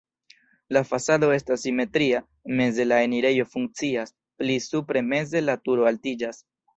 La fasado estas simetria, meze la enirejo funkcias, pli supre meze la turo altiĝas.